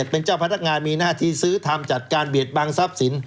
เป็นเจ้าพนักงานมีหน้าที่ซื้อทำจัดการเบียดบังทรัพย์สิน